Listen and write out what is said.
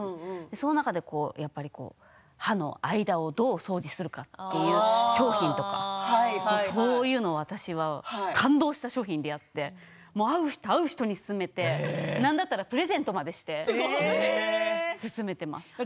その中で歯の間をどう掃除するのかという商品とかそういうの私は感動した商品に出会って会う人、会う人にすすめてなんだったらプレゼントまでしてすすめています。